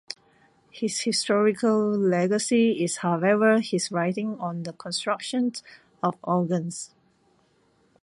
His historical legacy is however his writing on the construction of organs.